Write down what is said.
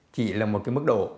chỉ là một cái mức độ